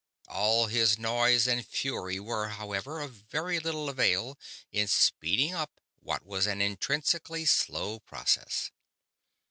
All his noise and fury were, however, of very little avail in speeding up what was an intrinsically slow process.